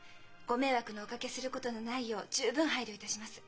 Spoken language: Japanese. ご迷惑をおかけすることのないよう十分配慮いたします。